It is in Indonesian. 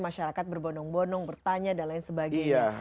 masyarakat berbonong bonong bertanya dan lain sebagainya